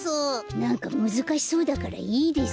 なんかむずかしそうだからいいです。